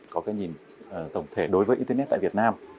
có cái nhìn tổng thể đối với internet tại việt nam